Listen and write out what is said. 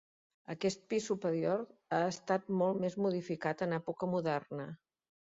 Aquest pis superior ha estat molt més modificat en època moderna.